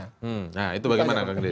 nah itu bagaimana pak gede